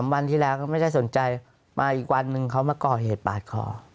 วันที่แล้วก็ไม่ได้สนใจมาอีกวันนึงเขามาก่อเหตุปาดคอ